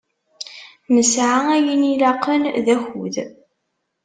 Nesεa ayen ilaqen d akud.